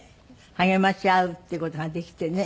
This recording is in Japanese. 励まし合うっていう事ができてね。